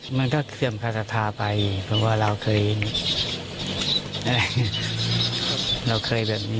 มันก็เสื่อมคาสัทธาไปเพราะว่าเราเคยอะไรเราเคยแบบนี้